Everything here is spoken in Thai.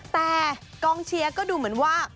แต่กองเชียร์ก็ดูเหมือนว่า